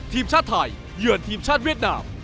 ทีมชาติไทยเยือนทีมชาติเวียดนาม